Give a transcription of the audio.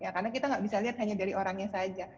karena kita gak bisa lihat hanya dari orangnya saja